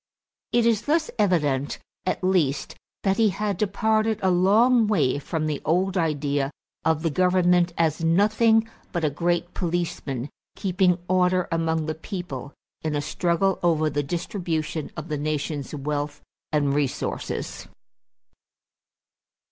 It is thus evident at least that he had departed a long way from the old idea of the government as nothing but a great policeman keeping order among the people in a struggle over the distribution of the nation's wealth and resources.